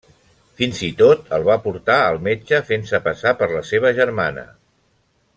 Fins i tot el va portar al metge fent-se passar per la seva germana.